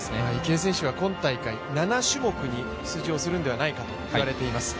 池江選手は今大会７種目に出場するんではないかと言われています。